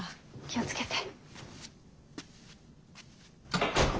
気を付けて。